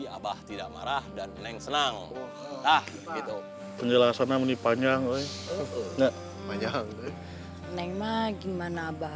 abah tidak marah dan neng senang nah gitu penjelasannya menipu panjang neng mah gimana abah